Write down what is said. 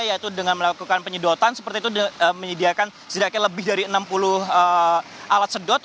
yaitu dengan melakukan penyedotan seperti itu menyediakan setidaknya lebih dari enam puluh alat sedot